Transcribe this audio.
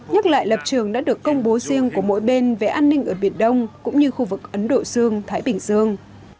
nhắc lại lập trường đã được công bố riêng của mỗi bên về an ninh ở biển đông cũng như khu vực ấn độ dương thái bình dương